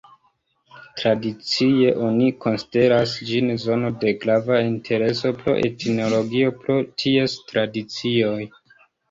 Tradicie oni konsideras ĝin zono de grava intereso pro etnologio pro ties tradicioj.